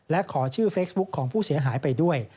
และขอชื่อเฟซบุ๊คของผู้เสียหายไปด้วย